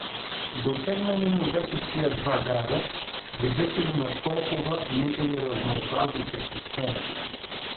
Дотегнали му вече тия два града, свидетели на толкова негови разнообразни приключения.